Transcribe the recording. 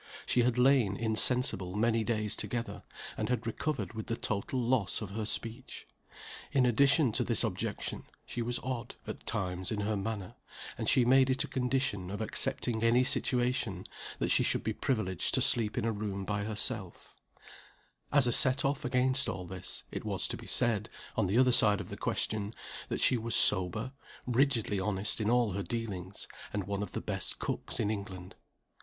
She had lain insensible many days together, and had recovered with the total loss of her speech. In addition to this objection, she was odd, at times, in her manner; and she made it a condition of accepting any situation, that she should be privileged to sleep in a room by herself As a set off against all this, it was to be said, on the other side of the question, that she was sober; rigidly honest in all her dealings; and one of the best cooks in England.